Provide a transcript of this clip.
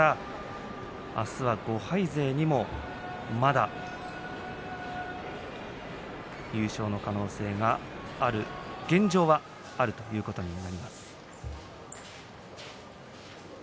あすは、５敗勢にもまだ優勝の可能性が現状はあるということになります。